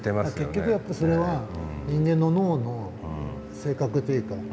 結局やっぱりそれは人間の脳の性格というか性質なんですよね。